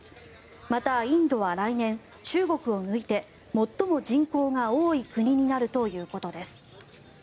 またインドは来年中国を抜いて最も人口が多い国になるということです。